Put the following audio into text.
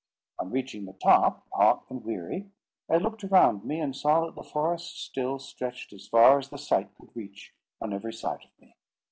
On reaching the top, hot and weary, I looked around me, and saw that the forest still stretched as far as the sight could reach on every side of me.